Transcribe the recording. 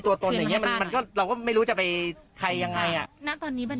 ยังไม่ได้เปลี่ยนค่ะ